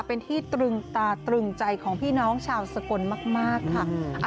เป็นที่ตรึงตาตรึงใจของพี่น้องชาวสกลมากค่ะ